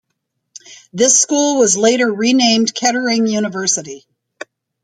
This school was later renamed Kettering University.